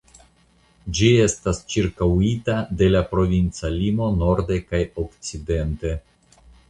Ĝi estas ĉirkaŭita de la provinca limo norde kaj okcidente.